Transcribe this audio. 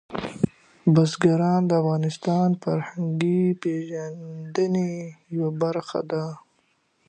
بزګان د افغانانو د فرهنګي پیژندنې یوه برخه ده.